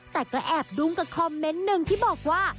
แต่ก็แอบดุ้งกับคอมเมนต์หนึ่งที่บอกว่า